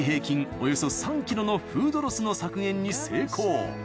およそ３ｋｇのフードロスの削減に成功。